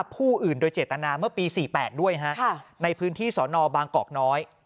ผู้อื่นโดยเจตนาเมื่อปี๔๘ด้วยในพื้นที่สนบางกอกน้อย